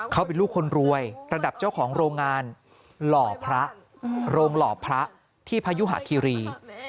เขาเป็นลูกคนรวยระดับเจ้าของโรงงานหล่อพระโรงหล่อพระที่พยุหาคิรี